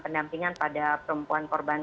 pendampingan pada perempuan korban